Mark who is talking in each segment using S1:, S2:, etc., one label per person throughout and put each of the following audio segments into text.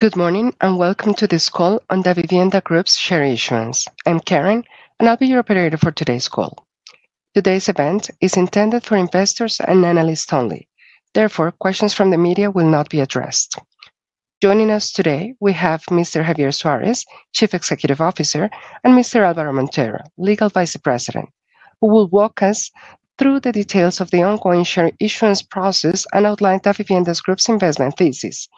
S1: Good morning and welcome to this call on Davivienda Group's share issuance. I'm Karen, and I'll be your operator for today's call. Today's event is intended for investors and analysts only. Therefore, questions from the media will not be addressed. Joining us today, we have Mr. Javier Suárez, Chief Executive Officer, and Mr. Álvaro Montero, Legal Vice President, who will walk us through the details of the ongoing share issuance process and outline Davivienda Group's investment thesis.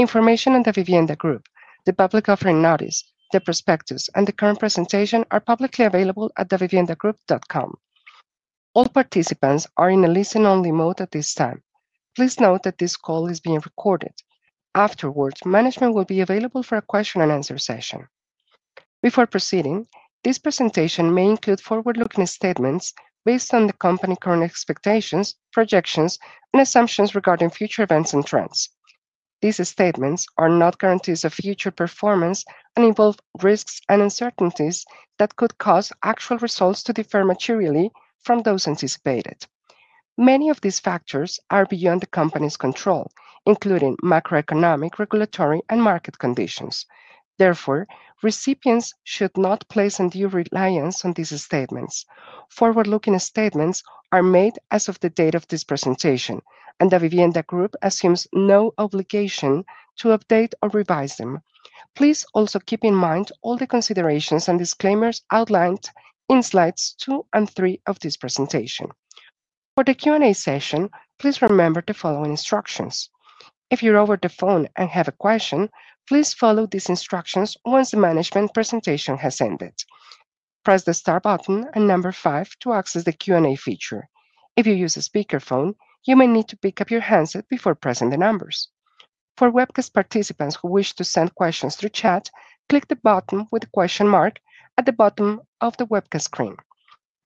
S1: Information on Davivienda Group, the public offering notice, the prospectus, and the current presentation are publicly available at the daviviendagroup.com. All participants are in a listen-only mode at this time. Please note that this call is being recorded. Afterwards, management will be available for a question-and-answer session. Before proceeding, this presentation may include forward-looking statements based on the company's current expectations, projections, and assumptions regarding future events and trends. These statements are not guarantees of future performance and involve risks and uncertainties that could cause actual results to differ materially from those anticipated. Many of these factors are beyond the company's control, including macroeconomic, regulatory, and market conditions. Therefore, recipients should not place undue reliance on these statements. Forward-looking statements are made as of the date of this presentation, and Davivienda Group assumes no obligation to update or revise them. Please also keep in mind all the considerations and disclaimers outlined in slides two and three of this presentation. For the Q&A session, please remember the following instructions. If you're over the phone and have a question, please follow these instructions once the management presentation has ended. Press the star button and number five to access the Q&A feature. If you use a speaker phone, you may need to pick up your handset before pressing the numbers. For webcast participants who wish to send questions through chat, click the button with the question mark at the bottom of the webcast screen.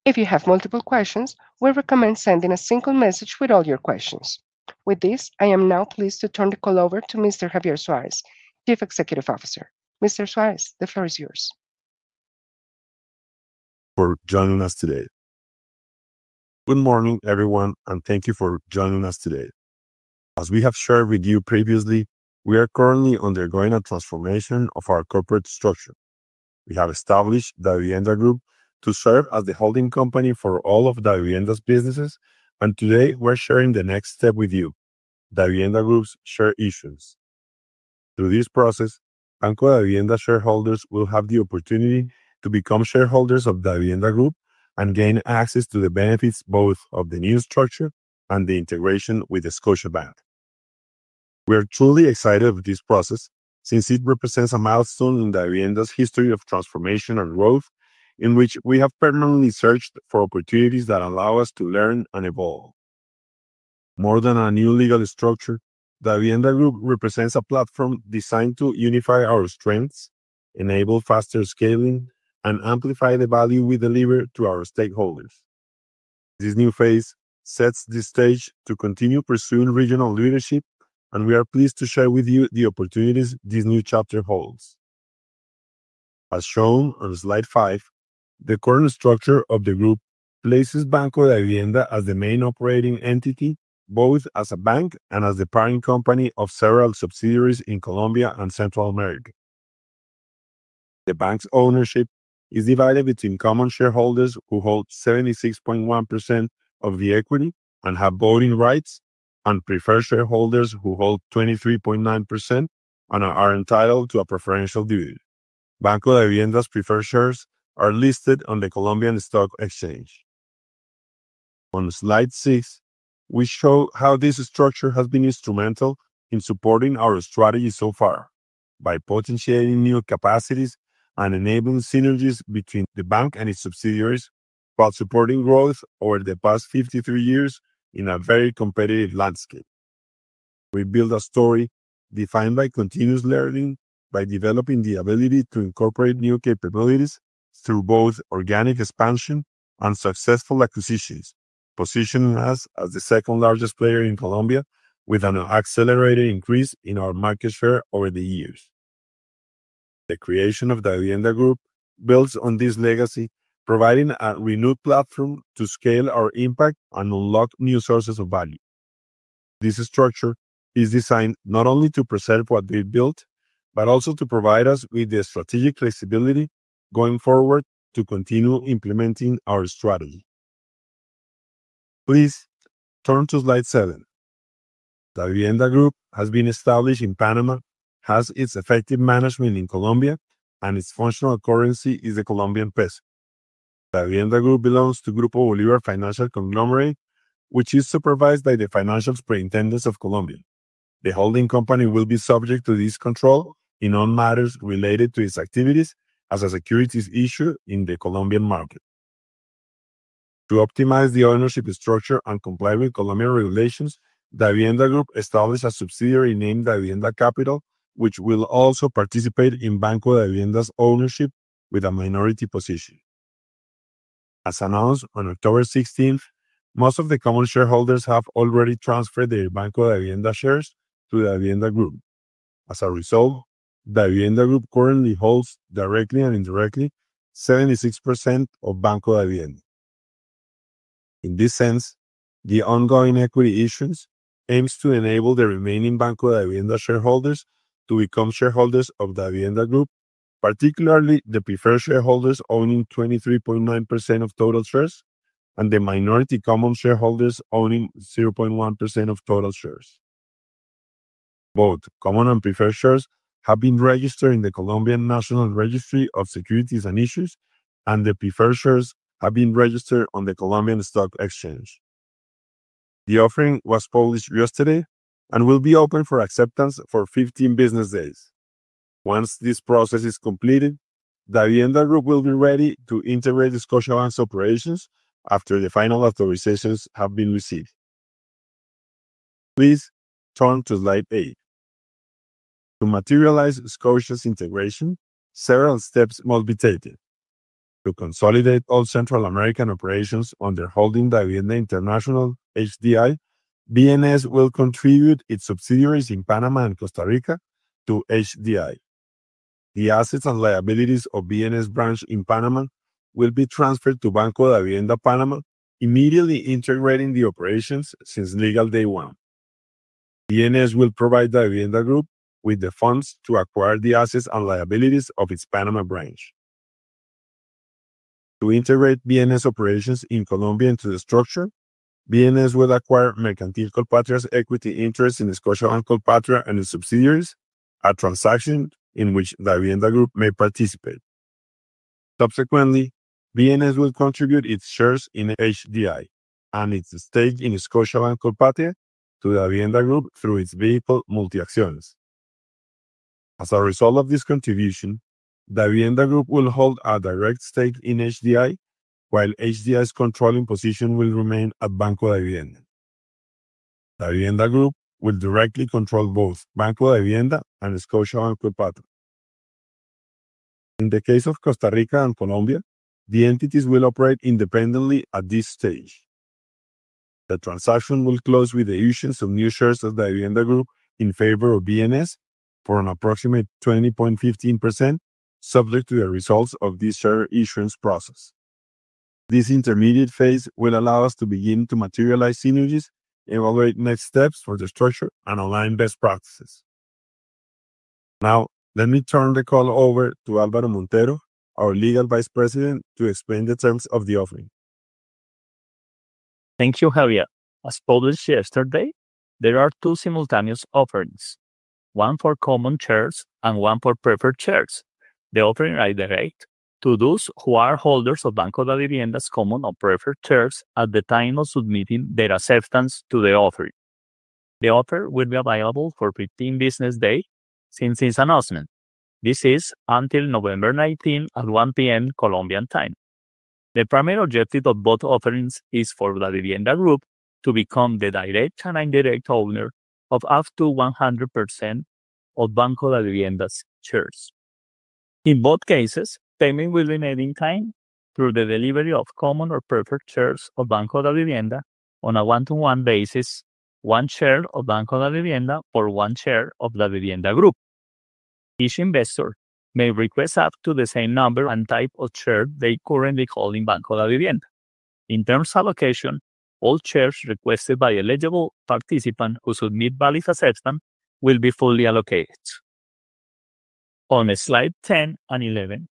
S1: If you have multiple questions, we recommend sending a single message with all your questions. With this, I am now pleased to turn the call over to Mr. Javier Suárez, Chief Executive Officer. Mr. Suárez, the floor is yours.
S2: Thank you for joining us today. Good morning, everyone, and thank you for joining us today. As we have shared with you previously, we are currently undergoing a transformation of our corporate structure. We have established Davivienda Group to serve as the holding company for all of Banco Davivienda's businesses, and today we're sharing the next step with you, Davivienda Group's share issuance. Through this process, Banco Davivienda shareholders will have the opportunity to become shareholders of Davivienda Group and gain access to the benefits both of the new structure and the integration with Scotiabank. We are truly excited with this process since it represents a milestone in Banco Davivienda's history of transformation and growth, in which we have permanently searched for opportunities that allow us to learn and evolve. More than a new legal structure, Davivienda Group represents a platform designed to unify our strengths, enable faster scaling, and amplify the value we deliver to our stakeholders. This new phase sets the stage to continue pursuing regional leadership, and we are pleased to share with you the opportunities this new chapter holds. As shown on slide five, the current structure of the group places Banco Davivienda as the main operating entity, both as a bank and as the parent company of several subsidiaries in Colombia and Central America. The bank's ownership is divided between common shareholders who hold 76.1% of the equity and have voting rights, and preferred shareholders who hold 23.9% and are entitled to a preferential deal. Banco Davivienda's preferred shares are listed on the Colombian stock exchange. On slide six, we show how this structure has been instrumental in supporting our strategy so far by potentiating new capacities and enabling synergies between the bank and its subsidiaries, while supporting growth over the past 53 years in a very competitive landscape. We build a story defined by continuous learning, by developing the ability to incorporate new capabilities through both organic expansion and successful acquisitions, positioning us as the second largest player in Colombia with an accelerated increase in our market share over the years. The creation of Davivienda Group builds on this legacy, providing a renewed platform to scale our impact and unlock new sources of value. This structure is designed not only to preserve what we've built, but also to provide us with the strategic flexibility going forward to continue implementing our strategy. Please turn to slide seven. Davivienda Group has been established in Panama, has its effective management in Colombia, and its functional currency is the Colombian peso. Davivienda Group belongs to Grupo Bolívar Financial Conglomerate, which is supervised by the Financial Superintendents of Colombia. The holding company will be subject to this control in all matters related to its activities as a securities issuer in the Colombian market. To optimize the ownership structure and comply with Colombian regulations, Davivienda Group established a subsidiary named Davivienda Capital, which will also participate in Banco Davivienda's ownership with a minority position. As announced on October 16th, most of the common shareholders have already transferred their Banco Davivienda shares to Davivienda Group. As a result, Davivienda Group currently holds directly and indirectly 76% of Banco Davivienda. In this sense, the ongoing equity issuance aims to enable the remaining Banco Davivienda shareholders to become shareholders of Davivienda Group, particularly the preferred shareholders owning 23.9% of total shares and the minority common shareholders owning 0.1% of total shares. Both common and preferred shares have been registered in the Colombian National Registry of Securities and Issues, and the preferred shares have been registered on the Colombian stock exchange. The offering was published yesterday and will be open for acceptance for 15 business days. Once this process is completed, Davivienda Group will be ready to integrate Scotiabank's operations after the final authorizations have been received. Please turn to slide eight. To materialize Scotia's integration, several steps must be taken. To consolidate all Central American operations under holding Davivienda International, HDI, BNS will contribute its subsidiaries in Panama and Costa Rica to HDI. The assets and liabilities of BNS branch in Panama will be transferred to Banco Davivienda Panama, immediately integrating the operations since legal day one. BNS will provide Davivienda Group with the funds to acquire the assets and liabilities of its Panama branch. To integrate BNS operations in Colombia into the structure, BNS will acquire Mercantil Colpatria's equity interests in Scotiabank Colpatria and its subsidiaries, a transaction in which Davivienda Group may participate. Subsequently, BNS will contribute its shares in HDI and its stake in Scotiabank Colpatria to Davivienda Group through its vehicle MultiAcciones. As a result of this contribution, Davivienda Group will hold a direct stake in HDI, while HDI's controlling position will remain at Banco Davivienda. Davivienda Group will directly control both Banco Davivienda and Scotiabank Colpatria. In the case of Costa Rica and Colombia, the entities will operate independently at this stage. The transaction will close with the issuance of new shares of Davivienda Group in favor of BNS for an approximate 20.15%, subject to the results of this share issuance process. This intermediate phase will allow us to begin to materialize synergies, evaluate next steps for the structure, and align best practices. Now, let me turn the call over to Álvaro Montero, our Legal Vice President, to explain the terms of the offering.
S3: Thank you, Javier. As published yesterday, there are two simultaneous offerings, one for common shares and one for preferred shares. The offering is directed to those who are holders of Banco Davivienda's common or preferred shares at the time of submitting their acceptance to the offering. The offer will be available for 15 business days since its announcement. This is until November 19th at 1:00 P.M. Colombian Time. The primary objective of both offerings is for Davivienda Group to become the direct and indirect owner of up to 100% of Banco Davivienda's shares. In both cases, payment will be made in kind through the delivery of common or preferred shares of Banco Davivienda on a one-to-one basis, one share of Banco Davivienda for one share of Davivienda Group. Each investor may request up to the same number and type of share they currently hold in Banco Davivienda. In terms of allocation, all shares requested by the eligible participant who submits a valid assessment will be fully allocated. On slide 10 and 11,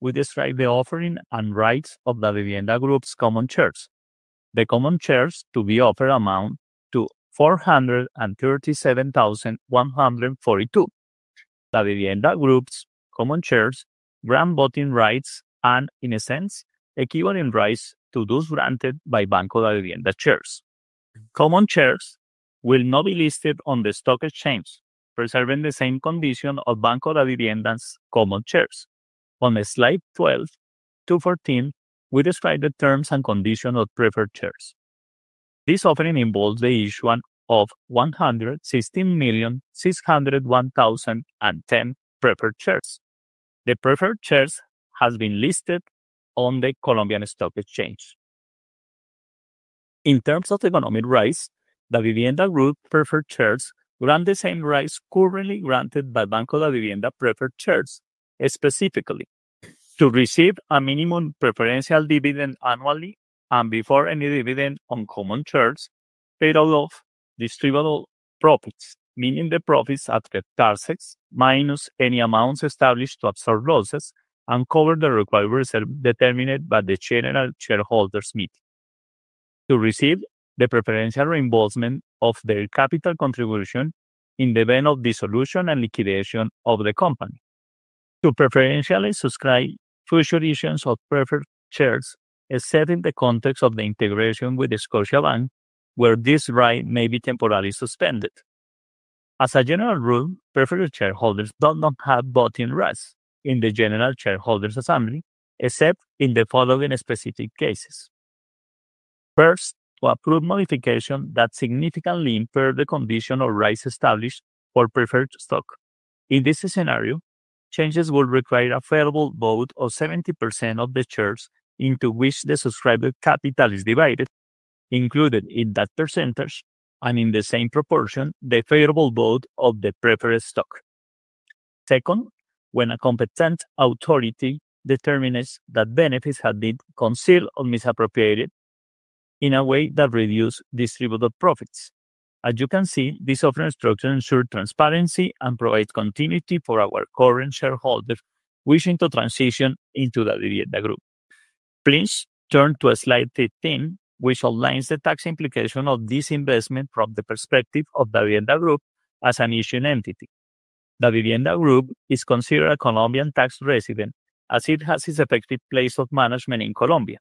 S3: we describe the offering and rights of Davivienda Group's common shares. The common shares to be offered amount to 437,142. Davivienda Group's common shares grant voting rights and, in a sense, equivalent rights to those granted by Banco Davivienda shares. Common shares will not be listed on the stock exchange, preserving the same condition of Banco Davivienda's common shares. On slide 12 to 14, we describe the terms and conditions of preferred shares. This offering involves the issuance of 116,601,010 preferred shares. The preferred shares have been listed on the Colombian stock exchange. In terms of economic rights, Davivienda Group's preferred shares grant the same rights currently granted by Banco Davivienda preferred shares, specifically to receive a minimum preferential dividend annually and before any dividend on common shares paid out of distributable profits, meaning the profits at the target minus any amounts established to absorb losses and cover the required reserve determined by the general shareholders' meeting. To receive the preferential reimbursement of their capital contribution in the event of dissolution and liquidation of the company. To preferentially subscribe future issuance of preferred shares is set in the context of the integration with the Scotiabank, where this right may be temporarily suspended. As a general rule, preferred shareholders do not have voting rights in the general shareholders' assembly except in the following specific cases. First, to approve modifications that significantly improve the condition or rights established for preferred stock. In this scenario, changes will require a favorable vote of 70% of the shares into which the subscriber's capital is divided, included in that percentage and in the same proportion the favorable vote of the preferred stock. Second, when a competent authority determines that benefits have been concealed or misappropriated in a way that reduces distributed profits. As you can see, this offering structure ensures transparency and provides continuity for our current shareholders wishing to transition into Davivienda Group. Please turn to slide 15, which outlines the tax implications of this investment from the perspective of Davivienda Group as an issuing entity. Davivienda Group is considered a Colombian tax resident as it has its effective place of management in Colombia.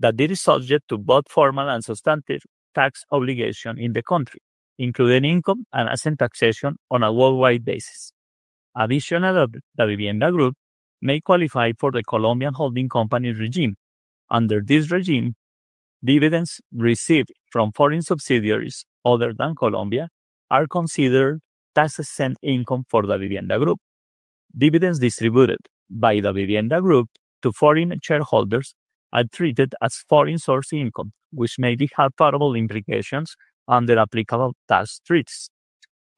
S3: This means that it is subject to both formal and substantive tax obligations in the country, including income and asset taxation on a worldwide basis. Additionally, Davivienda Group may qualify for the Colombian holding company regime. Under this regime, dividends received from foreign subsidiaries other than Colombia are considered tax-exempt income for Davivienda Group. Dividends distributed by Davivienda Group to foreign shareholders are treated as foreign source income, which may have favorable implications under applicable tax treaties.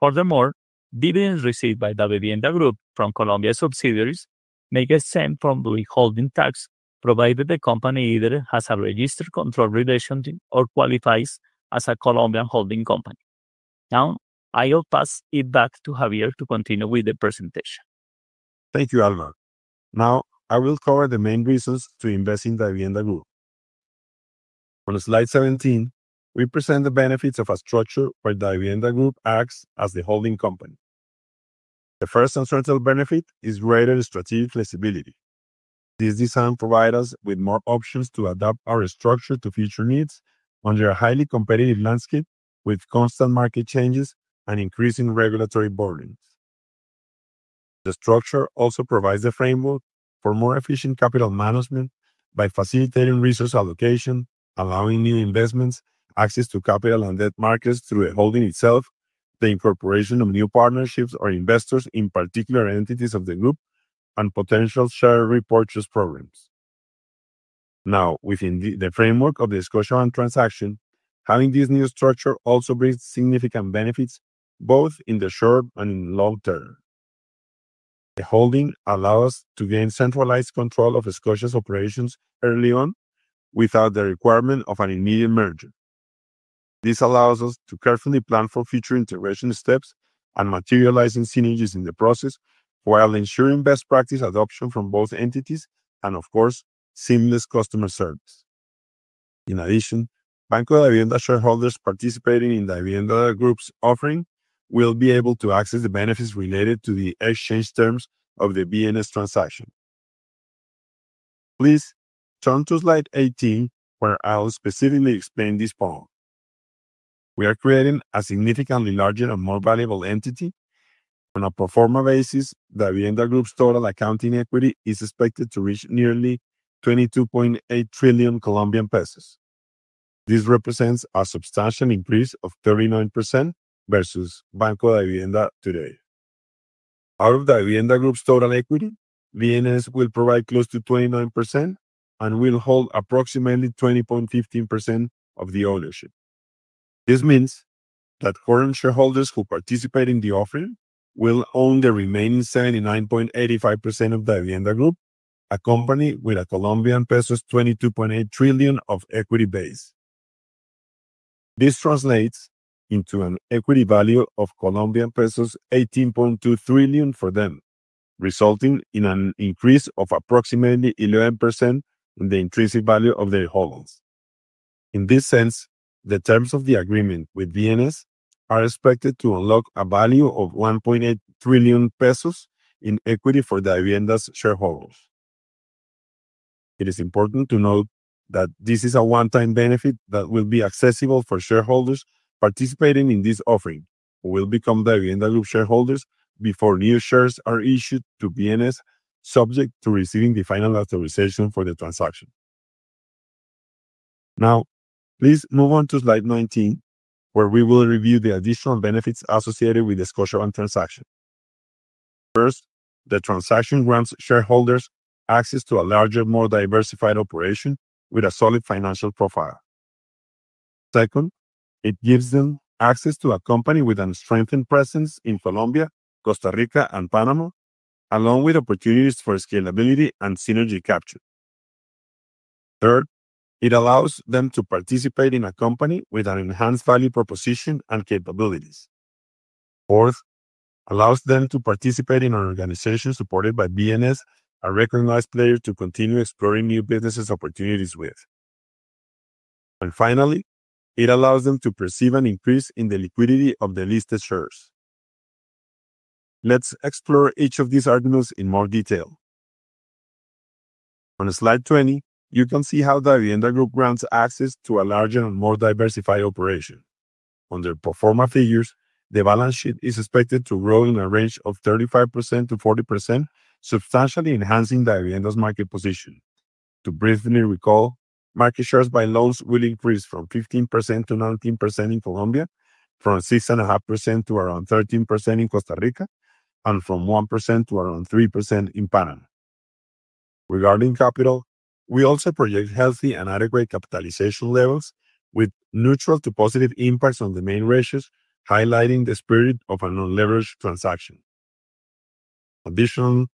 S3: Furthermore, dividends received by Davivienda Group from Colombia subsidiaries may be exempt from the withholding tax, provided the company either has a registered control relationship or qualifies as a Colombian holding company. Now, I will pass it back to Javier to continue with the presentation.
S2: Thank you, Álvaro. Now, I will cover the main reasons to invest in Davivienda Group. On slide 17, we present the benefits of a structure where Davivienda Group acts as the holding company. The first and central benefit is greater strategic flexibility. This design provides us with more options to adapt our structure to future needs under a highly competitive landscape with constant market changes and increasing regulatory burdens. The structure also provides a framework for more efficient capital management by facilitating resource allocation, allowing new investments access to capital and debt markets through the holding itself, the incorporation of new partnerships or investors in particular entities of the group, and potential share buyback programs. Now, within the framework of the Scotiabank transaction, having this new structure also brings significant benefits both in the short and in the long term. The holding allows us to gain centralized control of Scotiabank's operations early on without the requirement of an immediate merger. This allows us to carefully plan for future integration steps and materializing synergies in the process while ensuring best practice adoption from both entities and, of course, seamless customer service. In addition, Banco Davivienda shareholders participating in Davivienda Group's offering will be able to access the benefits related to the exchange terms of the Scotiabank transaction. Please turn to slide 18, where I'll specifically explain this point. We are creating a significantly larger and more valuable entity. On a pro forma basis, Davivienda Group's total accounting equity is expected to reach nearly COP 22.8 trillion. This represents a substantial increase of 39% versus Banco Davivienda today. Out of Davivienda Group's total equity, Scotiabank will provide close to 29% and will hold approximately 20.15% of the ownership. This means that current shareholders who participate in the offering will own the remaining 79.85% of Davivienda Group, a company with a COP 22.8 trillion equity base. This translates into an equity value of COP 18.2 trillion for them, resulting in an increase of approximately 11% in the intrinsic value of their holdings. In this sense, the terms of the agreement with Scotiabank are expected to unlock a value of COP 1.8 trillion in equity for Davivienda Group's shareholders. It is important to note that this is a one-time benefit that will be accessible for shareholders participating in this offering who will become Davivienda Group shareholders before new shares are issued to BNS, subject to receiving the final authorization for the transaction. Now, please move on to slide 19, where we will review the additional benefits associated with the Scotiabank transaction. First, the transaction grants shareholders access to a larger, more diversified operation with a solid financial profile. Second, it gives them access to a company with a strengthened presence in Colombia, Costa Rica, and Panama, along with opportunities for scalability and synergy capture. Third, it allows them to participate in a company with an enhanced value proposition and capabilities. Fourth, it allows them to participate in an organization supported by BNS, a recognized player to continue exploring new business opportunities with. Finally, it allows them to perceive an increase in the liquidity of the listed shares. Let's explore each of these arguments in more detail. On slide 20, you can see how Davivienda Group grants access to a larger and more diversified operation. Under pro forma figures, the balance sheet is expected to grow in a range of 35%-40%, substantially enhancing Davivienda's market position. To briefly recall, market shares by loans will increase from 15%-19% in Colombia, from 6.5% to around 13% in Costa Rica, and from 1% to around 3% in Panama. Regarding capital, we also project healthy and adequate capitalization levels with neutral to positive impacts on the main ratios, highlighting the spirit of a non-leveraged transaction. Additionally,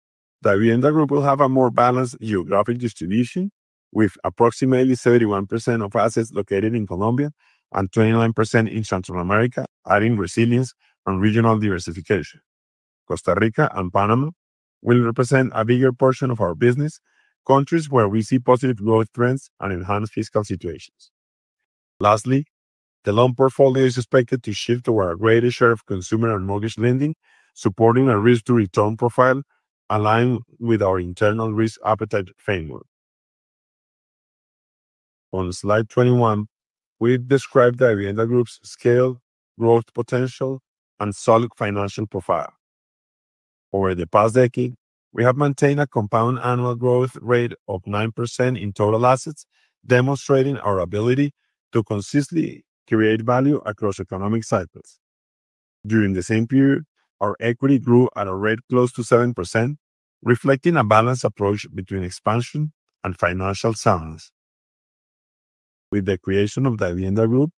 S2: Davivienda Group will have a more balanced geographic distribution with approximately 71% of assets located in Colombia and 29% in Central America, adding resilience and regional diversification. Costa Rica and Panama will represent a bigger portion of our business, countries where we see positive growth trends and enhanced fiscal situations. Lastly, the loan portfolio is expected to shift to our greatest share of consumer and mortgage lending, supporting a risk-to-return profile aligned with our internal risk appetite framework. On slide 21, we describe Davivienda Group's scale, growth potential, and solid financial profile. Over the past decade, we have maintained a compound annual growth rate of 9% in total assets, demonstrating our ability to consistently create value across economic cycles. During the same period, our equity grew at a rate close to 7%, reflecting a balanced approach between expansion and financial soundness. With the creation of Davivienda Group,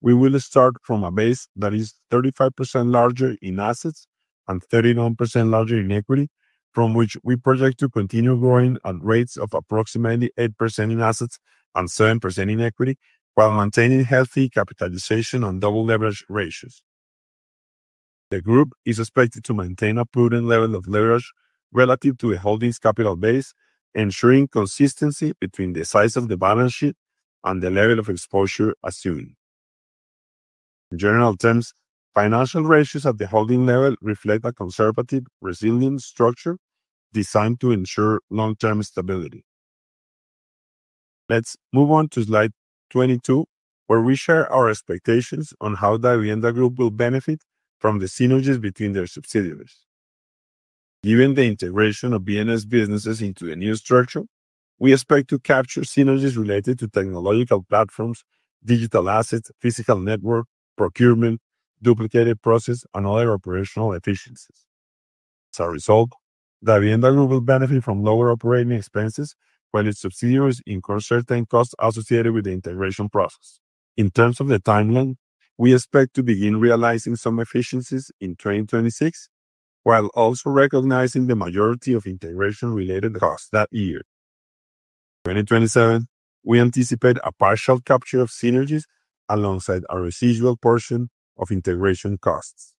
S2: we will start from a base that is 35% larger in assets and 39% larger in equity, from which we project to continue growing at rates of approximately 8% in assets and 7% in equity, while maintaining healthy capitalization and double leverage ratios. The group is expected to maintain a prudent level of leverage relative to the holding's capital base, ensuring consistency between the size of the balance sheet and the level of exposure assumed. In general terms, financial ratios at the holding level reflect a conservative, resilient structure designed to ensure long-term stability. Let's move on to slide 22, where we share our expectations on how Davivienda Group will benefit from the synergies between their subsidiaries. Given the integration of BNS businesses into the new structure, we expect to capture synergies related to technological platforms, digital assets, physical network, procurement, duplicated process, and other operational efficiencies. As a result, Davivienda Group will benefit from lower operating expenses while its subsidiaries incur certain costs associated with the integration process. In terms of the timeline, we expect to begin realizing some efficiencies in 2026, while also recognizing the majority of integration-related costs that year. In 2027, we anticipate a partial capture of synergies alongside a residual portion of integration costs.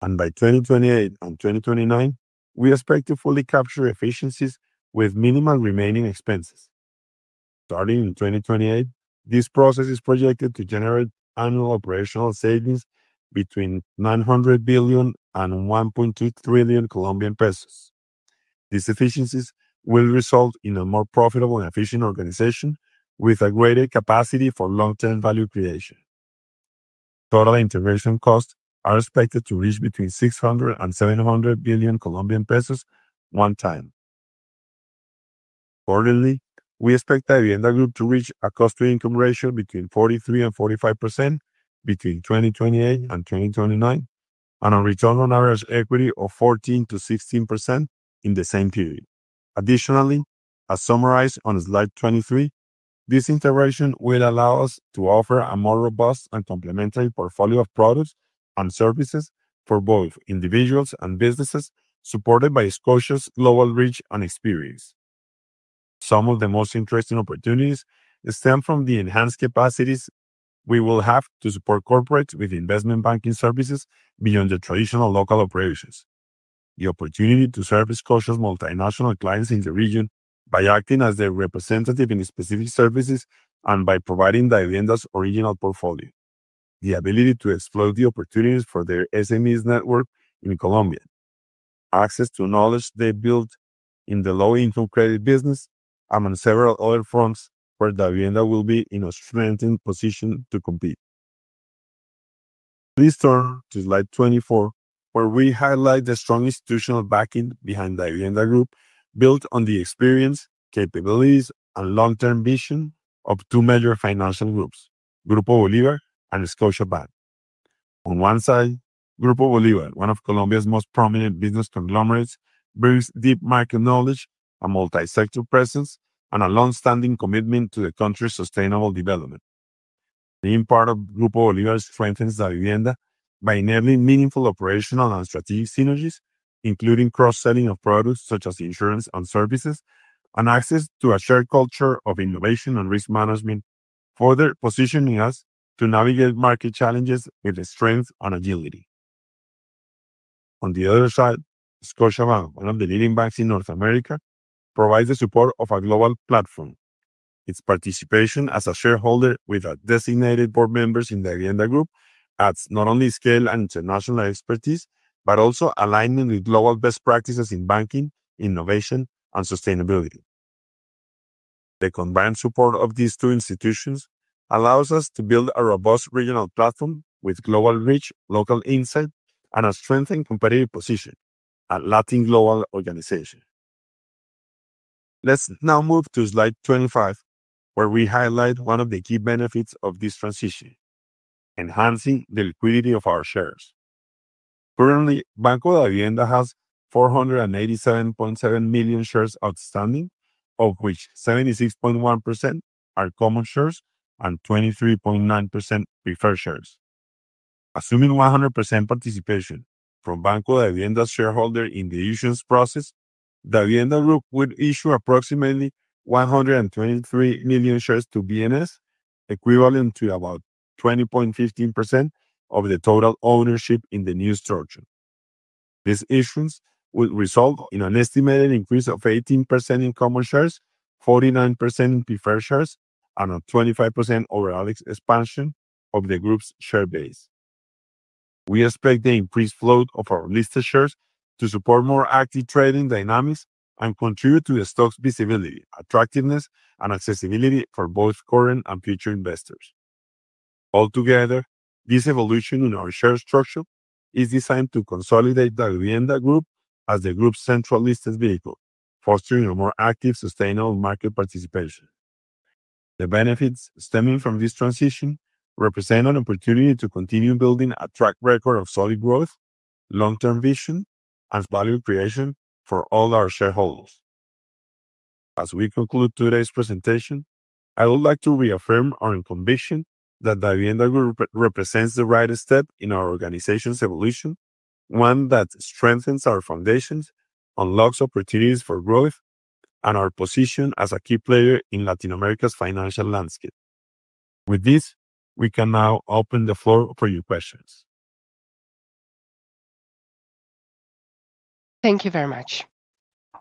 S2: By 2028 and 2029, we expect to fully capture efficiencies with minimal remaining expenses. Starting in 2028, this process is projected to generate annual operational savings between COP 900 billion and COP 1.2 trillion. These efficiencies will result in a more profitable and efficient organization with a greater capacity for long-term value creation. Total integration costs are expected to reach between COP 600 billion and COP 700 billion one time. Accordingly, we expect Davivienda Group to reach a cost-to-income ratio between 43% and 45% between 2028 and 2029, and a return on average equity of 14%-16% in the same period. Additionally, as summarized on slide 23, this integration will allow us to offer a more robust and complementary portfolio of products and services for both individuals and businesses supported by Scotia's global reach and experience. Some of the most interesting opportunities stem from the enhanced capacities we will have to support corporates with investment banking services beyond the traditional local operations. The opportunity to serve Scotia's multinational clients in the region by acting as their representative in specific services and by providing Davivienda's original portfolio. The ability to exploit the opportunities for their SMEs network in Colombia. Access to knowledge they've built in the low-income credit business, among several other fronts where Davivienda will be in a strengthened position to compete. Please turn to slide 24, where we highlight the strong institutional backing behind Davivienda Group, built on the experience, capabilities, and long-term vision of two major financial groups: Grupo Bolívar and Scotiabank. On one side, Grupo Bolívar, one of Colombia's most prominent business conglomerates, brings deep market knowledge, a multi-sector presence, and a longstanding commitment to the country's sustainable development. Being part of Grupo Bolívar strengthens Davivienda by enabling meaningful operational and strategic synergies, including cross-selling of products such as insurance and services, and access to a shared culture of innovation and risk management, further positioning us to navigate market challenges with strength and agility. On the other side, Scotiabank, one of the leading banks in North America, provides the support of a global platform. Its participation as a shareholder with our designated board members in Davivienda Group adds not only scale and international expertise, but also alignment with global best practices in banking, innovation, and sustainability. The combined support of these two institutions allows us to build a robust regional platform with global reach, local insight, and a strengthened competitive position at a Latin global organization. Let's now move to slide 25, where we highlight one of the key benefits of this transition: enhancing the liquidity of our shares. Currently, Banco Davivienda has 487.7 million shares outstanding, of which 76.1% are common shares and 23.9% preferred shares. Assuming 100% participation from Banco Davivienda's shareholders in the issuance process, Davivienda Group would issue approximately 123 million shares to BNS, equivalent to about 20.15% of the total ownership in the new structure. This issuance would result in an estimated increase of 18% in common shares, 49% in preferred shares, and a 25% overall expansion of the group's share base. We expect the increased float of our listed shares to support more active trading dynamics and contribute to the stock's visibility, attractiveness, and accessibility for both current and future investors. Altogether, this evolution in our share structure is designed to consolidate Davivienda Group as the group's central listed vehicle, fostering a more active, sustainable market participation. The benefits stemming from this transition represent an opportunity to continue building a track record of solid growth, long-term vision, and value creation for all our shareholders. As we conclude today's presentation, I would like to reaffirm our conviction that Davivienda Group represents the right step in our organization's evolution, one that strengthens our foundations, unlocks opportunities for growth, and our position as a key player in Latin America's financial landscape. With this, we can now open the floor for your questions.
S1: Thank you very much.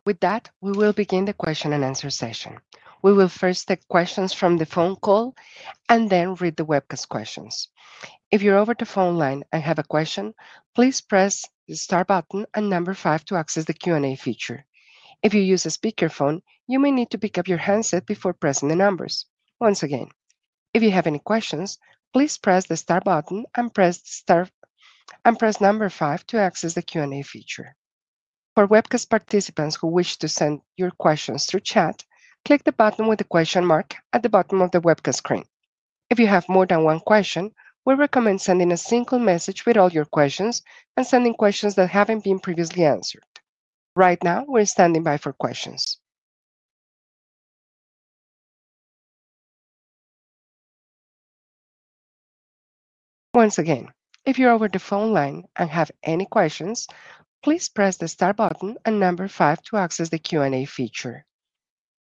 S1: With that, we will begin the question-and-answer session. We will first take questions from the phone call and then read the webcast questions. If you're over the phone line and have a question, please press the star button and number five to access the Q&A feature. If you use a speaker phone, you may need to pick up your handset before pressing the numbers. Once again, if you have any questions, please press the star button and number five to access the Q&A feature. For webcast participants who wish to send your questions through chat, click the button with the question mark at the bottom of the webcast screen. If you have more than one question, we recommend sending a single message with all your questions and sending questions that haven't been previously answered. Right now, we're standing by for questions. Once again, if you're over the phone line and have any questions, please press the star button and number five to access the Q&A feature.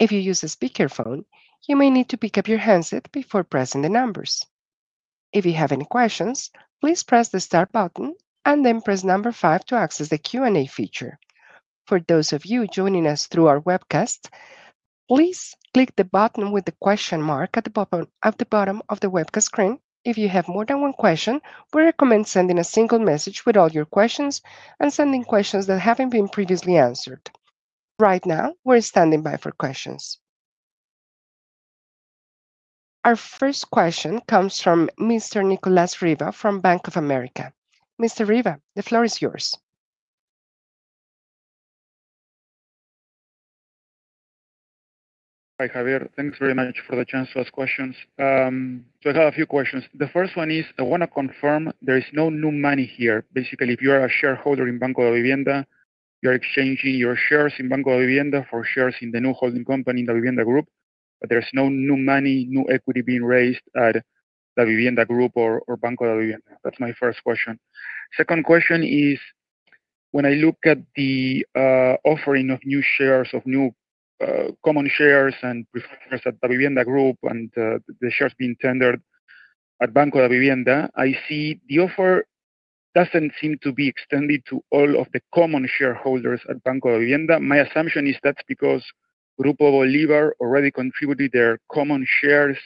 S1: If you use a speaker phone, you may need to pick up your handset before pressing the numbers. If you have any questions, please press the star button and then press number five to access the Q&A feature. For those of you joining us through our webcast, please click the button with the question mark at the bottom of the webcast screen. If you have more than one question, we recommend sending a single message with all your questions and sending questions that haven't been previously answered. Right now, we're standing by for questions. Our first question comes from Mr. Nicolas Riva from Bank of America. Mr. Riva, the floor is yours.
S4: Hi, Javier. Thanks very much for the chance to ask questions. I have a few questions. The first one is, I want to confirm there is no new money here. Basically, if you are a shareholder in Banco Davivienda, you are exchanging your shares in Banco Davivienda for shares in the new holding company in Davivienda Group, but there's no new money, new equity being raised at Davivienda Group or Banco Davivienda. That's my first question. My second question is, when I look at the offering of new shares, of new common shares and preferred shares at Davivienda Group and the shares being tendered at Banco Davivienda, I see the offer doesn't seem to be extended to all of the common shareholders at Banco Davivienda. My assumption is that's because Grupo Bolívar already contributed their common shares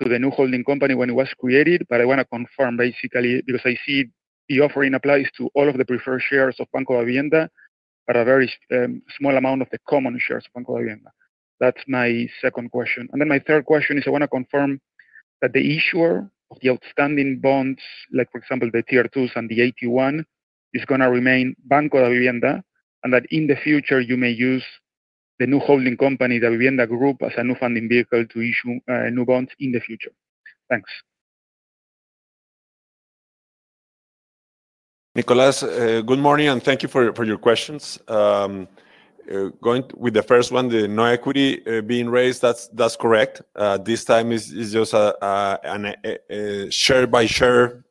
S4: to the new holding company when it was created, but I want to confirm basically because I see the offering applies to all of the preferred shares of Banco Davivienda, but a very small amount of the common shares of Banco Davivienda. That's my second question. My third question is, I want to confirm that the issuer of the outstanding bonds, like for example the Tier 2s and the AT1, is going to remain Banco Davivienda and that in the future you may use the new holding company, Davivienda Group, as a new funding vehicle to issue new bonds in the future. Thanks.
S2: Nicolás, good morning and thank you for your questions. Going with the first one, the new equity being raised, that's correct. This time it's just a share-by-share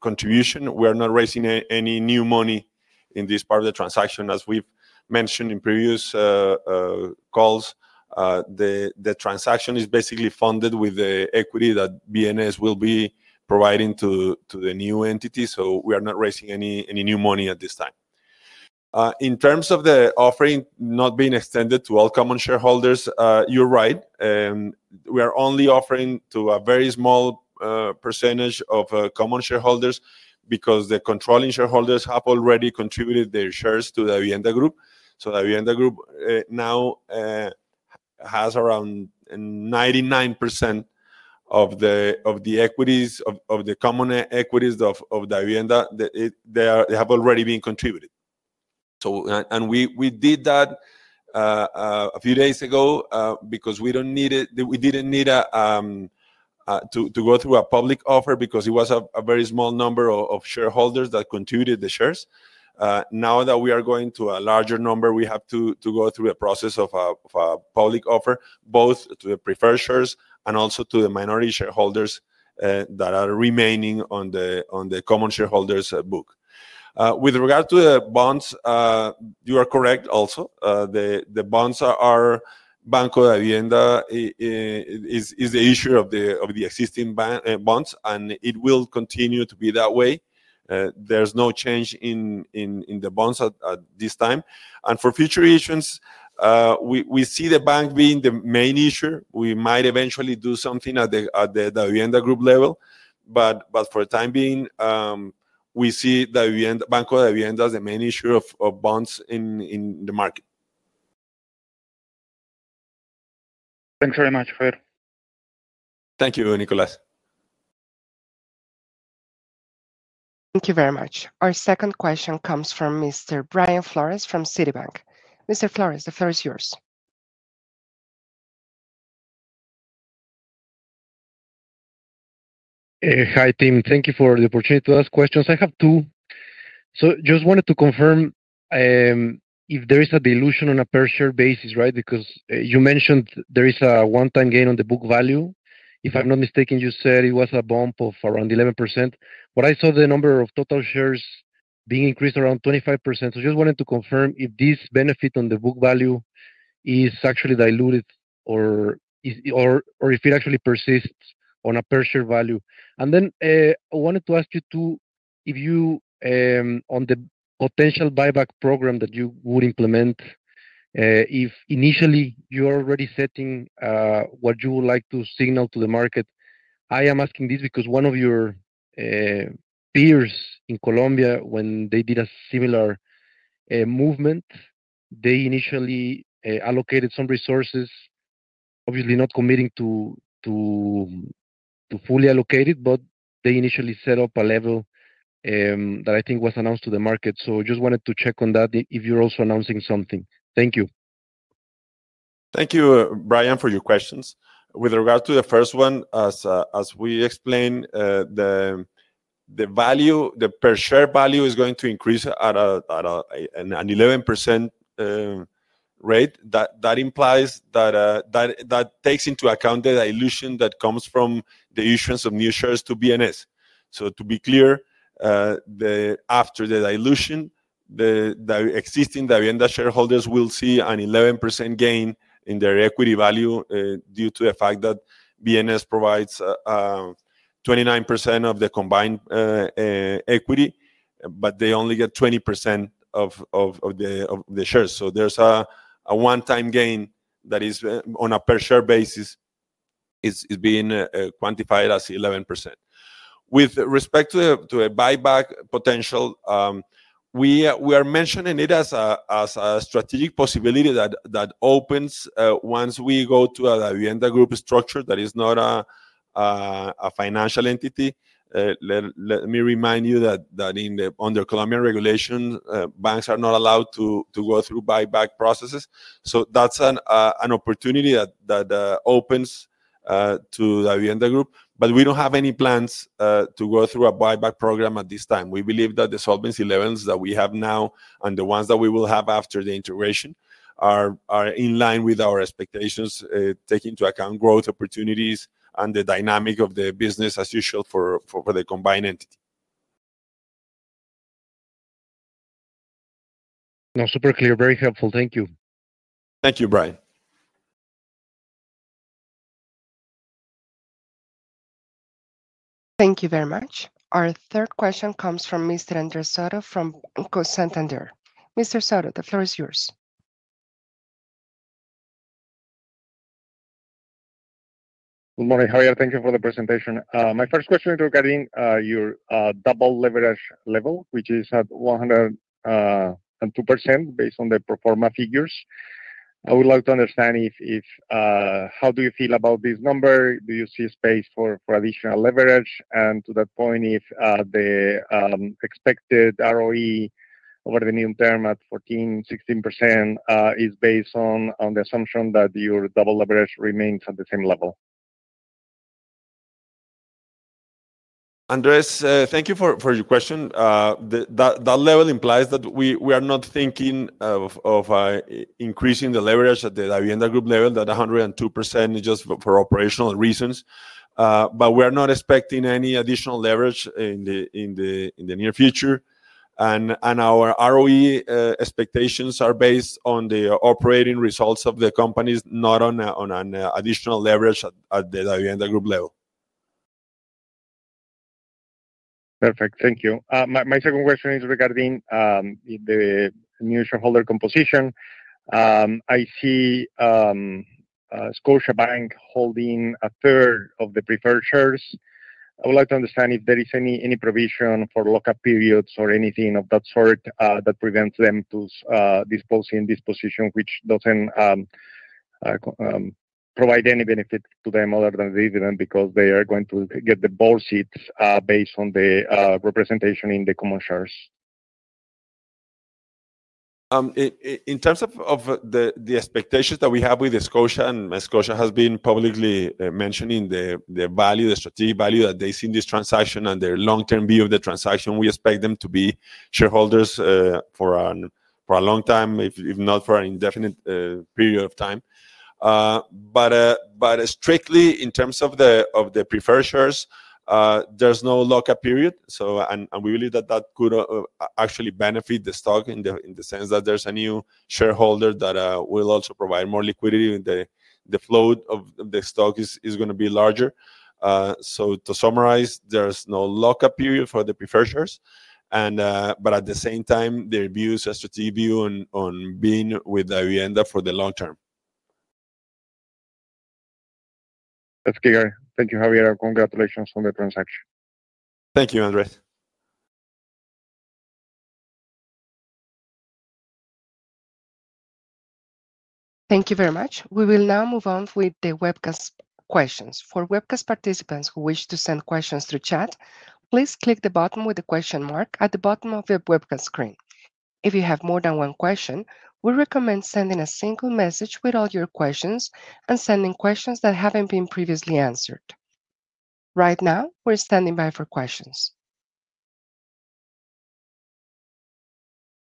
S2: contribution. We are not raising any new money in this part of the transaction. As we've mentioned in previous calls, the transaction is basically funded with the equity that BNS will be providing to the new entity, so we are not raising any new money at this time. In terms of the offering not being extended to all common shareholders, you're right. We are only offering to a very small percentage of common shareholders because the controlling shareholders have already contributed their shares to Davivienda Group. Davivienda Group now has around 99% of the common equities of Davivienda, they have already been contributed. We did that a few days ago because we didn't need to go through a public offer since it was a very small number of shareholders that contributed the shares. Now that we are going to a larger number, we have to go through a process of a public offer both to the preferred shares and also to the minority shareholders that are remaining on the common shareholders' book. With regard to the bonds, you are correct also. The bonds are Banco Davivienda, is the issuer of the existing bonds, and it will continue to be that way. There's no change in the bonds at this time. For future issuance, we see the bank being the main issuer. We might eventually do something at Davivienda Group level, but for the time being, we see Banco Davivienda as the main issuer of bonds in the market.
S4: Thanks very much, Javier.
S2: Thank you, Nicolás.
S1: Thank you very much. Our second question comes from Mr. Brian Flores from Citibank. Mr. Flores, the floor is yours.
S5: Hi, team. Thank you for the opportunity to ask questions. I have two. I just wanted to confirm if there is a dilution on a per-share basis, right? Because you mentioned there is a one-time gain on the book value. If I'm not mistaken, you said it was a bump of around 11%. I saw the number of total shares being increased around 25%. I just wanted to confirm if this benefit on the book value is actually diluted or if it actually persists on a per-share value. I wanted to ask you too, if you on the potential buyback program that you would implement, if initially you are already setting what you would like to signal to the market. I am asking this because one of your peers in Colombia, when they did a similar movement, initially allocated some resources, obviously not committing to fully allocate it, but they initially set up a level that I think was announced to the market. I just wanted to check on that if you're also announcing something. Thank you.
S2: Thank you, Brian, for your questions. With regard to the first one, as we explained, the per-share value is going to increase at an 11% rate. That implies that that takes into account the dilution that comes from the issuance of new shares to BNS. To be clear, after the dilution, the existing Banco Davivienda shareholders will see an 11% gain in their equity value due to the fact that BNS provides 29% of the combined equity, but they only get 20% of the shares. There is a one-time gain that is on a per-share basis being quantified as 11%. With respect to a buyback potential, we are mentioning it as a strategic possibility that opens once we go to Davivienda Group structure that is not a financial entity. Let me remind you that under Colombian regulations, banks are not allowed to go through buyback processes. That is an opportunity that opens to Davivienda Group, but we don't have any plans to go through a buyback program at this time. We believe that the solvency levels that we have now and the ones that we will have after the integration are in line with our expectations, taking into account growth opportunities and the dynamic of the business as usual for the combined entity.
S5: No, super clear. Very helpful. Thank you.
S2: Thank you, Brian.
S1: Thank you very much. Our third question comes from Mr. Andrés Soto from Cocentander. Mr. Soto, the floor is yours.
S6: Good morning, Javier. Thank you for the presentation. My first question is regarding your double leverage level, which is at 102% based on the pro forma figures. I would like to understand how do you feel about this number? Do you see a space for additional leverage? To that point, is the expected ROE over the new term at 14%, 16% based on the assumption that your double leverage remains at the same level?
S2: Andrés, thank you for your question. That level implies we are not thinking of increasing the leverage at Davivienda Group level at 102% just for operational reasons. We are not expecting any additional leverage in the near future, and our ROE expectations are based on the operating results of the companies, not on an additional leverage at Davivienda Group level.
S6: Perfect. Thank you. My second question is regarding the new shareholder composition. I see Scotiabank holding a third of the preferred shares. I would like to understand if there is any provision for lock-up periods or anything of that sort that prevents them to dispose in this position, which doesn't provide any benefit to them other than the dividend because they are going to get the board seats based on the representation in the common shares.
S2: In terms of the expectations that we have with Scotia, and Scotia has been publicly mentioning the value, the strategic value that they see in this transaction and their long-term view of the transaction, we expect them to be shareholders for a long time, if not for an indefinite period of time. Strictly in terms of the preferred shares, there's no lock-up period. We believe that that could actually benefit the stock in the sense that there's a new shareholder that will also provide more liquidity, and the float of the stock is going to be larger. To summarize, there's no lock-up period for the preferred shares. At the same time, their view is a strategic view on being with Banco Davivienda for the long term.
S6: That's clear. Thank you, Javier. Congratulations on the transaction.
S2: Thank you, Andrés.
S1: Thank you very much. We will now move on with the webcast questions. For webcast participants who wish to send questions through chat, please click the button with the question mark at the bottom of the webcast screen. If you have more than one question, we recommend sending a single message with all your questions and sending questions that haven't been previously answered. Right now, we're standing by for questions.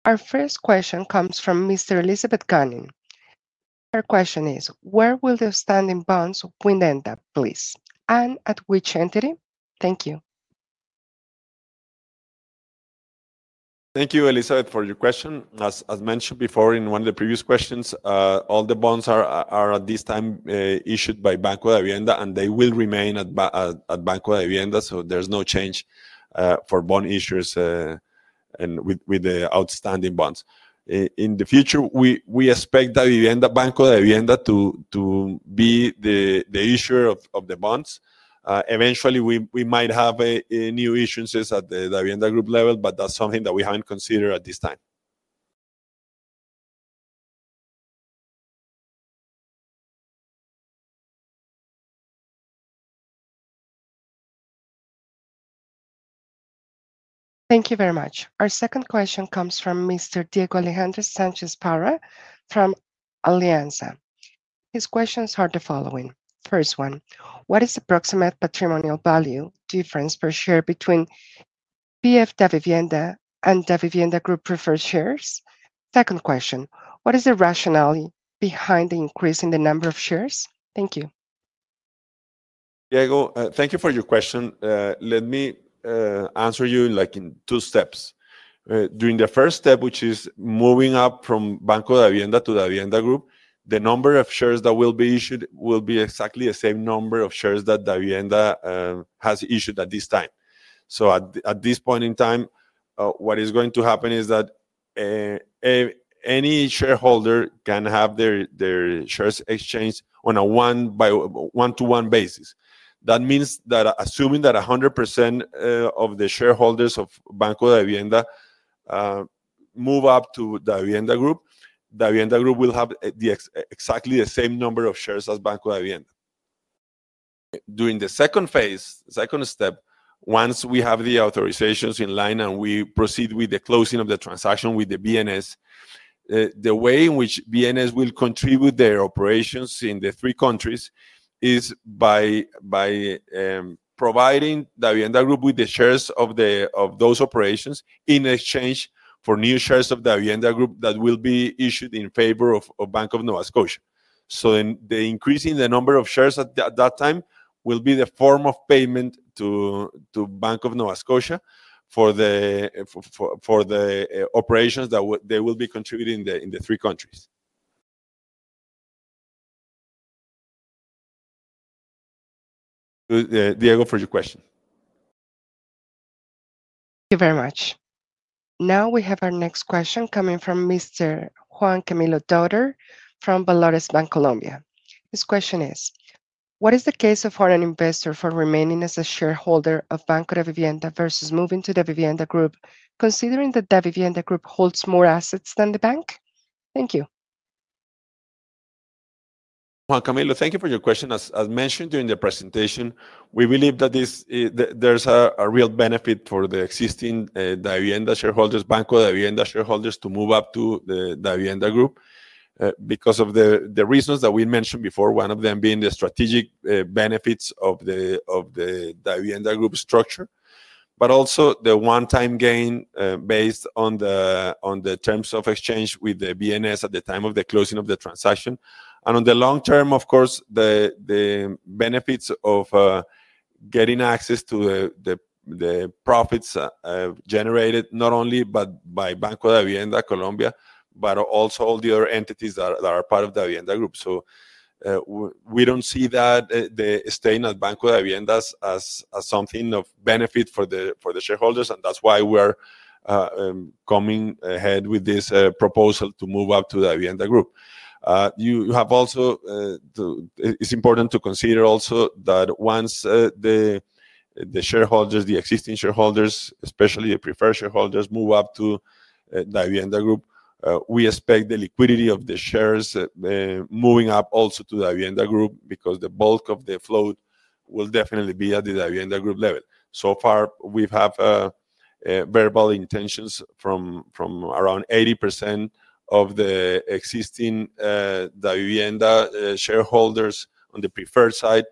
S1: Our first question comes from Ms. Elizabeth Gunning. Her question is, where will the standing bonds of Davivienda, please? And at which entity? Thank you.
S2: Thank you, Elizabeth, for your question. As mentioned before in one of the previous questions, all the bonds are at this time issued by Banco Davivienda, and they will remain at Banco Davivienda. There's no change for bond issuers with the outstanding bonds. In the future, we expect Banco Davivienda to be the issuer of the bonds. Eventually, we might have new issuances at Davivienda Group level, but that's something that we haven't considered at this time.
S1: Thank you very much. Our second question comes from Mr. Diego Alejandro Sánchez Parra from Alianza. His questions are the following: First one, what is the approximate patrimonial value difference per share between Pf Davivienda and Davivienda Group preferred shares? Second question, what is the rationale behind the increase in the number of shares? Thank you.
S2: Diego, thank you for your question. Let me answer you in two steps. During the first step, which is moving up from Banco Davivienda to Davivienda Group, the number of shares that will be issued will be exactly the same number of shares that Banco Davivienda has issued at this time. At this point in time, what is going to happen is that any shareholder can have their shares exchanged on a one-to-one basis. That means that assuming that 100% of the shareholders of Banco Davivienda move up to Davivienda Group, Davivienda Group will have exactly the same number of shares as Banco Davivienda. During the second phase, once we have the authorizations in line and we proceed with the closing of the transaction with Scotiabank, the way in which Scotiabank will contribute their operations in the three countries is by providing Davivienda Group with the shares of those operations in exchange for new shares of Davivienda Group that will be issued in favor of Bank of Nova Scotia. The increase in the number of shares at that time will be the form of payment to Bank of Nova Scotia for the operations that they will be contributing in the three countries. Diego, for your question.
S1: Thank you very much. Now we have our next question coming from Mr. Juan Camilo Dauder from Valores Bancolombia. His question is, what is the case of foreign investor for remaining as a shareholder of Banco Davivienda S.A. versus moving to Davivienda Group, considering that Davivienda Group holds more assets than the bank? Thank you.
S2: Juan Camilo, thank you for your question. As mentioned during the presentation, we believe that there's a real benefit for the existing Banco Davivienda shareholders to move up to Davivienda Group because of the reasons that we mentioned before, one of them being the strategic benefits of Davivienda Group structure, but also the one-time gain based on the terms of exchange with the BNS at the time of the closing of the transaction. On the long term, of course, the benefits of getting access to the profits generated not only by Banco Davivienda Colombia, but also all the other entities that are part of Davivienda Group. We don't see staying at Banco Davivienda as something of benefit for the shareholders, and that's why we're coming ahead with this proposal to move up to Davivienda Group. It's important to consider also that once the shareholders, the existing shareholders, especially the preferred shareholders, move up to Davivienda Group, we expect the liquidity of the shares moving up also to Davivienda Group because the bulk of the float will definitely be at Davivienda Group level. So far, we've had verbal intentions from around 80% of the existing Banco Davivienda shareholders on the preferred side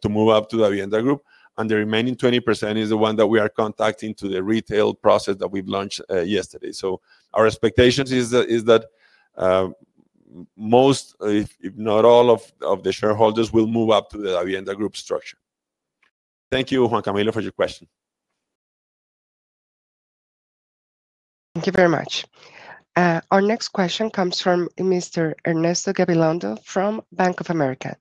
S2: to move up to Davivienda Group, and the remaining 20% is the one that we are contacting through the retail process that we've launched yesterday. Our expectation is that most, if not all, of the shareholders will move up to Davivienda Group structure. Thank you, Juan Camilo, for your question.
S1: Thank you very much. Our next question comes from Mr. Ernesto Gabilondo from Bank of America.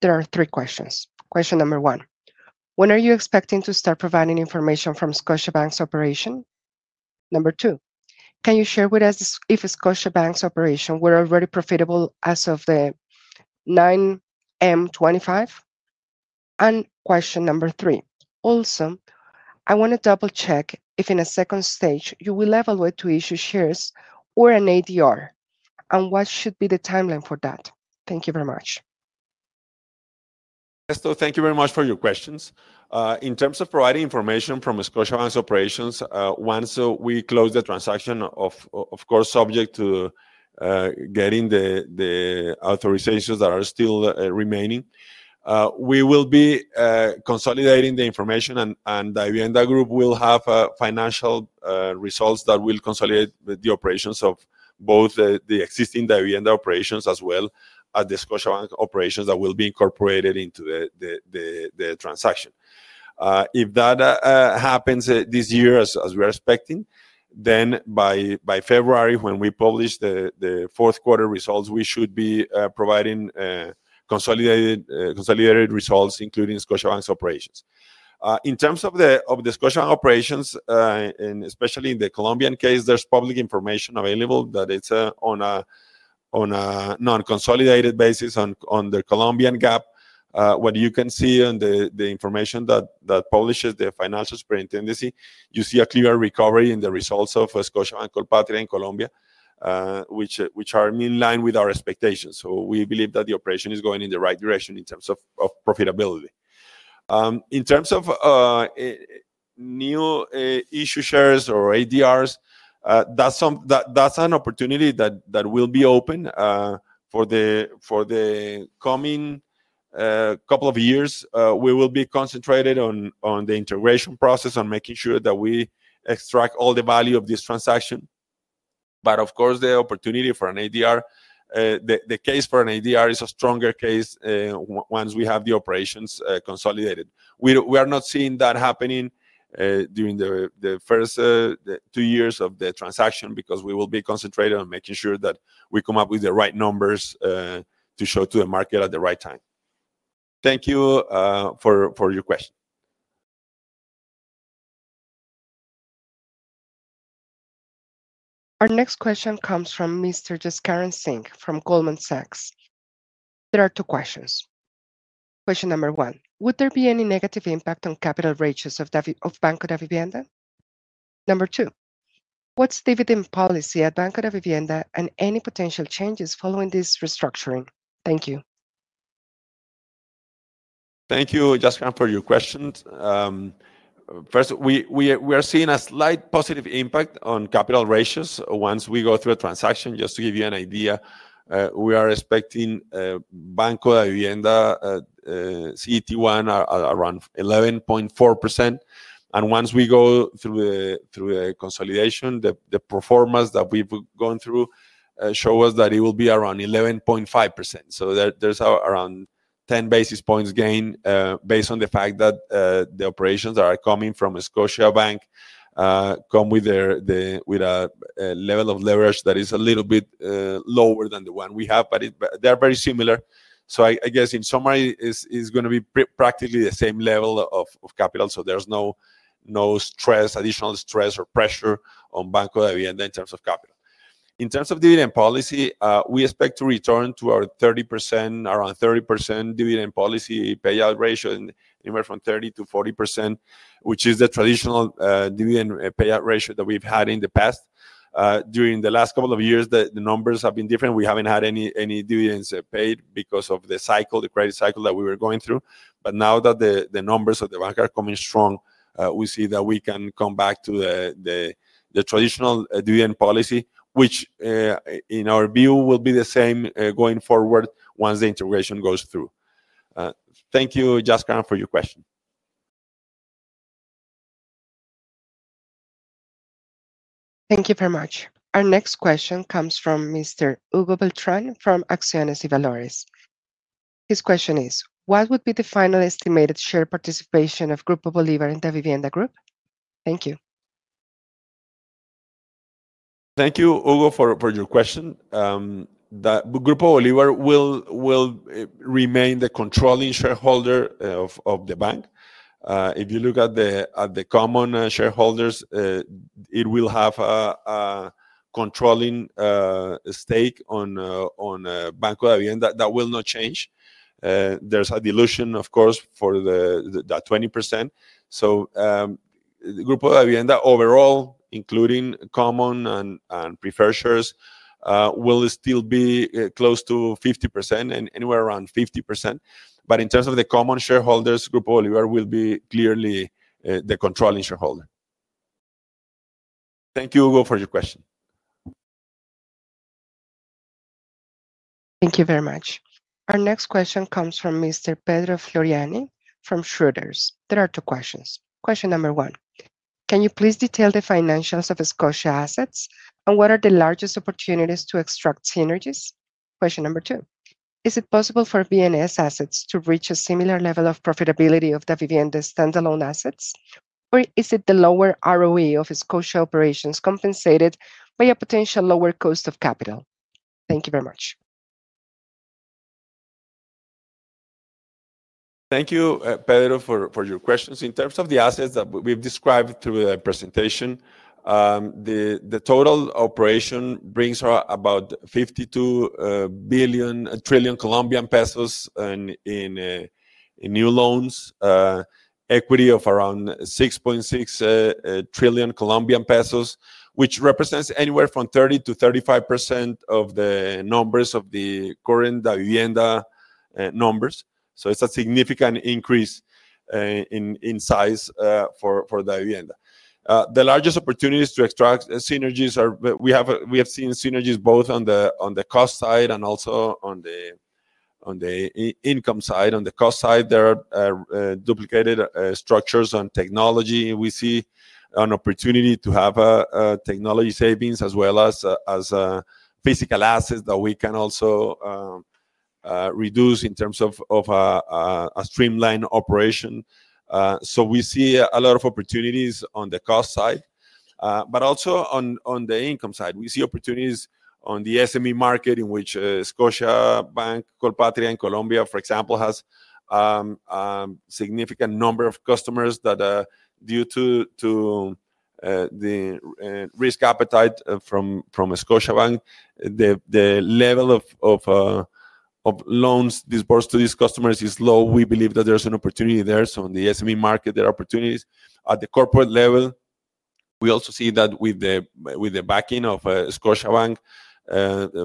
S1: There are three questions. Question number one, when are you expecting to start providing information from Scotiabank's operation? Number two, can you share with us if Scotiabank's operation were already profitable as of the 9M25? Question number three, also, I want to double-check if in a second stage you will evaluate to issue shares or an ADR, and what should be the timeline for that? Thank you very much.
S2: Ernesto, thank you very much for your questions. In terms of providing information from Scotiabank's operations, once we close the transaction, of course, subject to getting the authorizations that are still remaining, we will be consolidating the information, and Davivienda Group will have financial results that will consolidate the operations of both the existing Banco Davivienda operations as well as the Scotiabank operations that will be incorporated into the transaction. If that happens this year, as we are expecting, then by February, when we publish the fourth quarter results, we should be providing consolidated results, including Scotiabank's operations. In terms of the Scotiabank operations, and especially in the Colombian case, there's public information available that is on a non-consolidated basis on the Colombian GAAP. What you can see in the information that publishes the Financial Superintendency, you see a clear recovery in the results of Scotiabank Colpatria in Colombia, which are in line with our expectations. We believe that the operation is going in the right direction in terms of profitability. In terms of new issue shares or ADRs, that's an opportunity that will be open for the coming couple of years. We will be concentrated on the integration process, on making sure that we extract all the value of this transaction. Of course, the opportunity for an ADR, the case for an ADR is a stronger case once we have the operations consolidated. We are not seeing that happening during the first two years of the transaction because we will be concentrated on making sure that we come up with the right numbers to show to the market at the right time. Thank you for your question.
S1: Our next question comes from Mr. Jaskaran Singh from Goldman Sachs. There are two questions. Question number one, would there be any negative impact on capital ratios of Banco Davivienda? Number two, what's the dividend policy at Banco Davivienda and any potential changes following this restructuring? Thank you.
S2: Thank you, Jaskaran, for your questions. First, we are seeing a slight positive impact on capital ratios once we go through a transaction. Just to give you an idea, we are expecting Banco Davivienda's CET1 around 11.4%. Once we go through the consolidation, the performance that we've gone through shows us that it will be around 11.5%. There is around 10 basis points gain based on the fact that the operations that are coming from Scotiabank come with a level of leverage that is a little bit lower than the one we have, but they're very similar. I guess in summary, it's going to be practically the same level of capital. There is no additional stress or pressure on Banco Davivienda in terms of capital. In terms of dividend policy, we expect to return to our 30%, around 30% dividend policy payout ratio, anywhere from 30%-40%, which is the traditional dividend payout ratio that we've had in the past. During the last couple of years, the numbers have been different. We haven't had any dividends paid because of the cycle, the credit cycle that we were going through. Now that the numbers of the bank are coming strong, we see that we can come back to the traditional dividend policy, which in our view will be the same going forward once the integration goes through. Thank you, Jaskaran, for your question.
S1: Thank you very much. Our next question comes from Mr. Hugo Beltrán from Acciones y Valores. His question is, what would be the final estimated share participation of Grupo Bolívar in Davivienda Group? Thank you.
S2: Thank you, Hugo, for your question. Grupo Bolívar will remain the controlling shareholder of the bank. If you look at the common shareholders, it will have a controlling stake on Banco Davivienda. That will not change. There's a dilution, of course, for that 20%. Grupo Davivienda overall, including common and preferred shares, will still be close to 50% and anywhere around 50%. In terms of the common shareholders, Grupo Bolívar will be clearly the controlling shareholder. Thank you, Hugo, for your question.
S1: Thank you very much. Our next question comes from Mr. Pedro Floriani from Schroders. There are two questions. Question number one, can you please detail the financials of Scotia assets and what are the largest opportunities to extract synergies? Question number two, is it possible for BNS assets to reach a similar level of profitability of Davivienda standalone assets, or is it the lower ROE of Scotia operations compensated by a potential lower cost of capital? Thank you very much.
S2: Thank you, Pedro, for your questions. In terms of the assets that we've described through the presentation, the total operation brings about COP 52 trillion in new loans, equity of around COP 6.6 trillion, which represents anywhere from 30%-35% of the numbers of the current Davivienda numbers. It is a significant increase in size for Davivienda. The largest opportunities to extract synergies are, we have seen synergies both on the cost side and also on the income side. On the cost side, there are duplicated structures on technology. We see an opportunity to have technology savings as well as physical assets that we can also reduce in terms of a streamlined operation. We see a lot of opportunities on the cost side, but also on the income side. We see opportunities on the SME market in which Scotiabank Colpatria in Colombia, for example, has a significant number of customers that, due to the risk appetite from Scotiabank, the level of loans disbursed to these customers is low. We believe that there's an opportunity there. In the SME market, there are opportunities. At the corporate level, we also see that with the backing of Scotiabank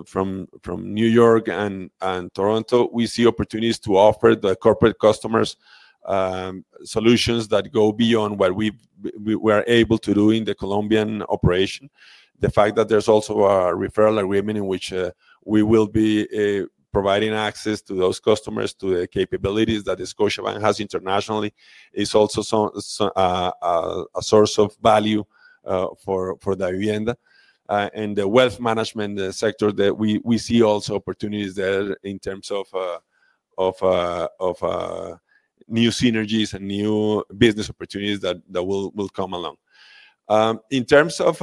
S2: from New York and Toronto, we see opportunities to offer the corporate customers solutions that go beyond what we are able to do in the Colombian operation. The fact that there's also a referral agreement in which we will be providing access to those customers to the capabilities that Scotiabank has internationally is also a source of value for Davivienda. In the wealth management sector, we see also opportunities there in terms of new synergies and new business opportunities that will come along. In terms of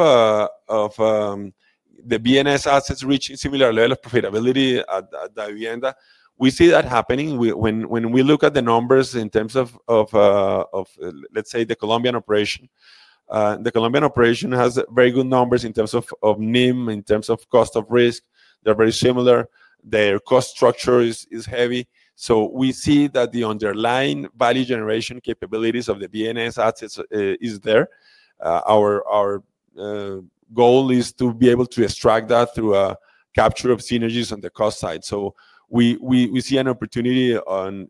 S2: the BNS assets reaching similar level of profitability at Davivienda., we see that happening. When we look at the numbers in terms of, let's say, the Colombian operation, the Colombian operation has very good numbers in terms of NIM, in terms of cost of risk. They're very similar. Their cost structure is heavy. We see that the underlying value generation capabilities of the BNS assets are there. Our goal is to be able to extract that through a capture of synergies on the cost side. We see an opportunity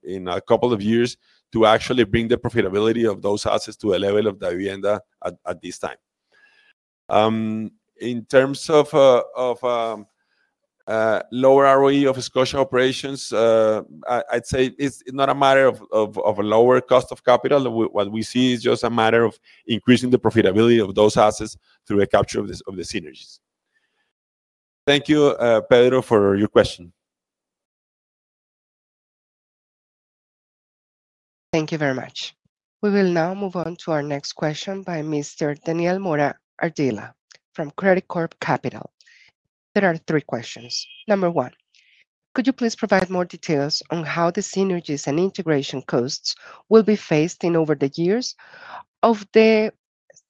S2: in a couple of years to actually bring the profitability of those assets to a level of Davivienda at this time. In terms of lower ROE of Scotia operations, I'd say it's not a matter of a lower cost of capital. What we see is just a matter of increasing the profitability of those assets through a capture of the synergies. Thank you, Pedro, for your question.
S1: Thank you very much. We will now move on to our next question by Mr. Daniel Mora Ardila from Credicorp Capital. There are three questions. Number one, could you please provide more details on how the synergies and integration costs will be faced over the years? Of the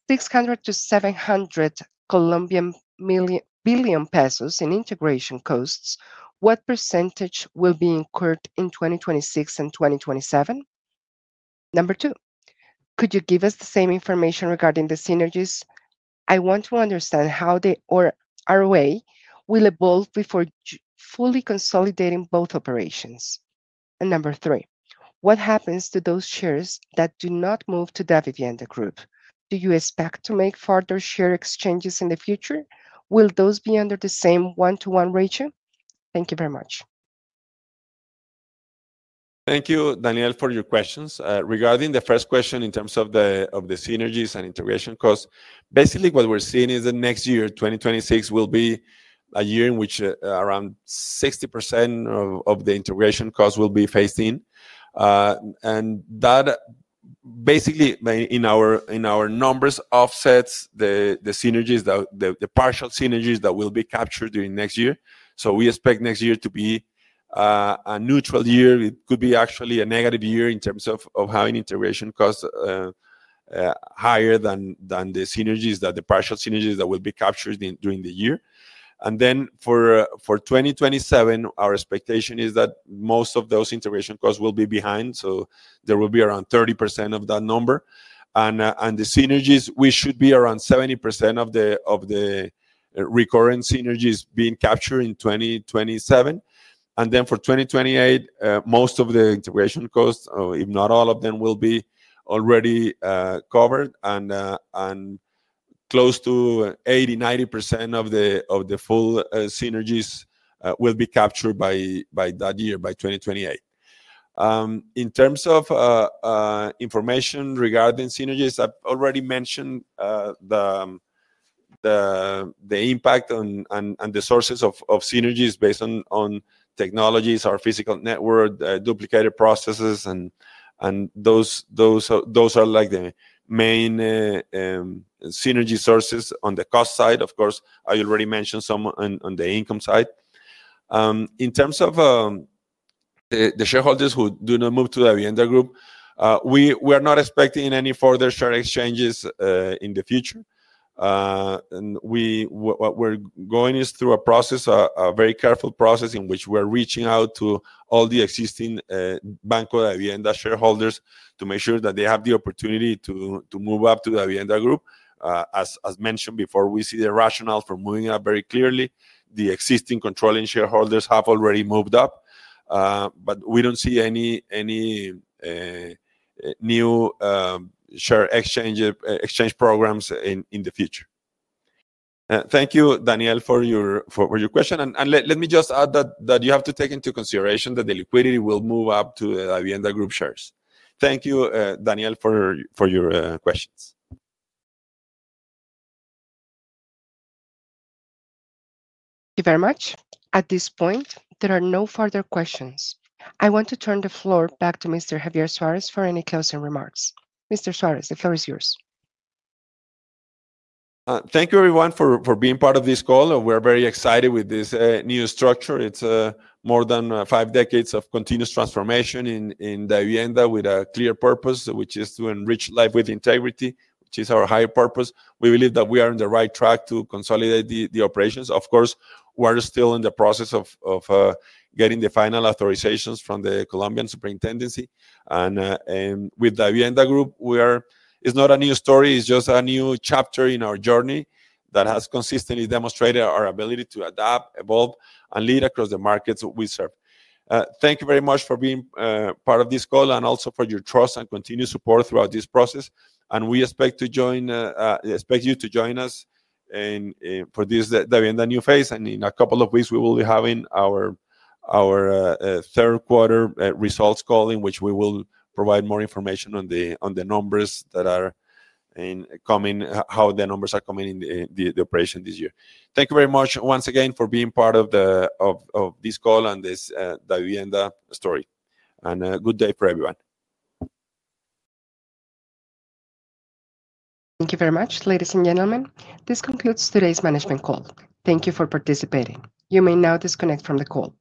S1: COP 600 billion-COP 700 billion in integration costs, what percentage will be incurred in 2026 and 2027? Number two, could you give us the same information regarding the synergies? I want to understand how the ROA will evolve before fully consolidating both operations. Number three, what happens to those shares that do not move to Davivienda Group? Do you expect to make further share exchanges in the future? Will those be under the same one-to-one ratio? Thank you very much.
S2: Thank you, Daniel, for your questions. Regarding the first question in terms of the synergies and integration costs, basically what we're seeing is that next year, 2026, will be a year in which around 60% of the integration costs will be faced. That basically in our numbers offsets the partial synergies that will be captured during next year. We expect next year to be a neutral year. It could be actually a negative year in terms of having integration costs higher than the partial synergies that will be captured during the year. For 2027, our expectation is that most of those integration costs will be behind, so there will be around 30% of that number. The synergies, we should be around 70% of the recurrent synergies being captured in 2027. For 2028, most of the integration costs, if not all of them, will be already covered, and close to 80%-90% of the full synergies will be captured by that year, by 2028. In terms of information regarding synergies, I've already mentioned the impact on the sources of synergies based on technologies, our physical network, duplicated processes. Those are the main synergy sources on the cost side. Of course, I already mentioned some on the income side. In terms of the shareholders who do not move to Davivienda Group, we are not expecting any further share exchanges in the future. What we're going through is a process, a very careful process in which we're reaching out to all the existing Banco Davivienda shareholders to make sure that they have the opportunity to move up to Davivienda Group. As mentioned before, we see the rationale for moving up very clearly. The existing controlling shareholders have already moved up. We don't see any new share exchange programs in the future. Thank you, Daniel, for your question. Let me just add that you have to take into consideration that the liquidity will move up to Davivienda Group shares. Thank you, Daniel, for your questions.
S1: Thank you very much. At this point, there are no further questions. I want to turn the floor back to Mr. Javier Suárez for any closing remarks. Mr. Suárez, the floor is yours.
S2: Thank you, everyone, for being part of this call. We're very excited with this new structure. It's more than five decades of continuous transformation in Davivienda with a clear purpose, which is to enrich life with integrity, which is our higher purpose. We believe that we are on the right track to consolidate the operations. Of course, we're still in the process of getting the final authorizations from the Colombian superintendency. With Davivienda Group, we are. It's not a new story. It's just a new chapter in our journey that has consistently demonstrated our ability to adapt, evolve, and lead across the markets we serve. Thank you very much for being part of this call and also for your trust and continued support throughout this process. We expect you to join us for this Davivienda new phase. In a couple of weeks, we will be having our third quarter results call, in which we will provide more information on the numbers that are coming, how the numbers are coming in the operation this year. Thank you very much once again for being part of this call and this Davivienda story. A good day for everyone.
S1: Thank you very much, ladies and gentlemen. This concludes today's management call. Thank you for participating. You may now disconnect from the call.